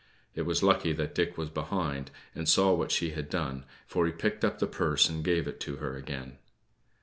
It was lucky that Dick was behind, and saw what she had done, for he picked up the purse and gave it to her again.